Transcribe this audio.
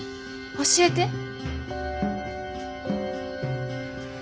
教えて。